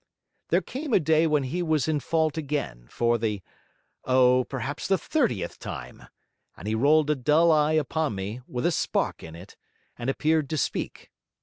There came a day when he was in fault again, for the oh, perhaps the thirtieth time; and he rolled a dull eye upon me, with a spark in it, and appeared to speak.